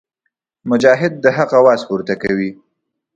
مجاهد د حق اواز پورته کوي.